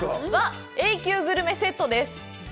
Ａ級グルメセットです。